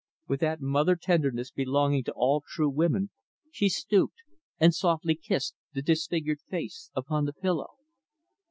With that mother tenderness belonging to all true women, she stooped and softly kissed the disfigured face upon the pillow.